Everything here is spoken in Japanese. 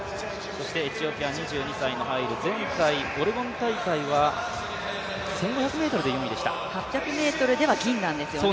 エチオピア、２２歳のハイル、前回、オレゴン大会は８００ｍでは銀なんですよね。